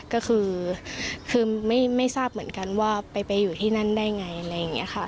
ก็คือไม่ทราบเหมือนกันว่าไปอยู่ที่นั่นได้ไงอะไรอย่างนี้ค่ะ